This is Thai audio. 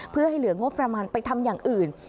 เพื่อให้เหลืองบประมาณไปทำอย่างอื่น